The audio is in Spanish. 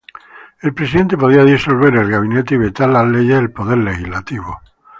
El presidente podía disolver el gabinete y vetar las leyes del poder legislativo.